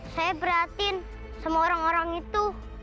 saya beratin sama orang orang itu